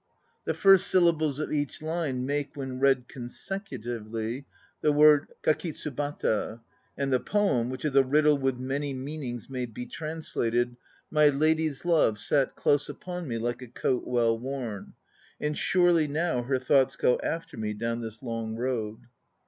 The first syllables of each line make, when read consecutively, the word Kakitsubata, and the poem, which is a riddle with many mean ings, may be translated: "My lady's love Sat close upon me like a coat well worn; And surely now Her thoughts go after me down this long road!"